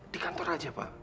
di kantor saja pak